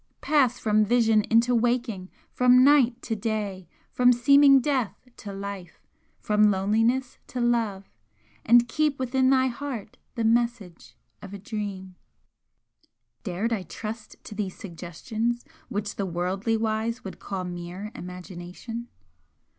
Pass from vision into waking! from night to day! from seeming death to life! from loneliness to love! and keep within thy heart the message of a Dream!" Dared I trust to these suggestions which the worldly wise would call mere imagination?